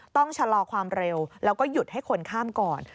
ต้องชะลอความเร็วแล้วก็หยุดให้คนข้ามก่อน